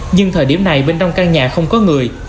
nhưng thời điểm này bên trong căn nhà không có người